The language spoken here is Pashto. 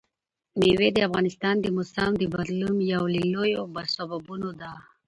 مېوې د افغانستان د موسم د بدلون یو له لویو سببونو ده.